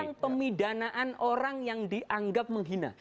tentang pemidanaan orang yang dianggap menghina